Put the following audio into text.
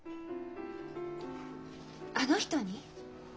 あの人に？